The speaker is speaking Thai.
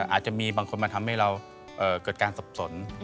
อาจจะมีบางคนมาทำให้เราเกิดการสับสน